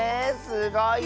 すごい！